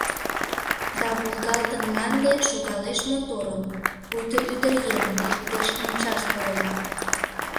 Да волгалтын мланде шогалеш моторын, пуйто ӱдыръеҥ лектеш мончаш пурен.